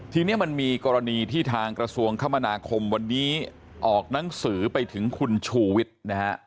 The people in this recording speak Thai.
ทีนี้มันมีกรณีที่ทางกระทรวงคมนาคมวันนี้ออกหนังสือไปถึงคุณชูวิทย์นะฮะ